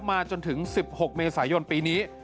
มาจนถึง๑๖เมษายนปีนี้